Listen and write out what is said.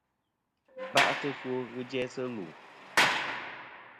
Yi ba'tɨ ɨfwo ghɨ jæsɨ lu.